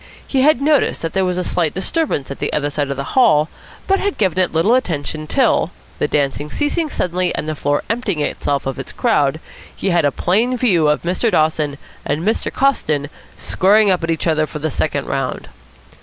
He had noticed that there was a slight disturbance at the other side of the hall, but had given it little attention till, the dancing ceasing suddenly and the floor emptying itself of its crowd, he had a plain view of Mr. Dawson and Mr. Coston squaring up at each other for the second round.